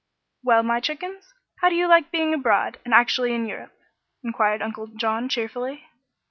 "Well, my chickens, how do you like being abroad, and actually in Europe?" enquired Uncle John, cheerfully.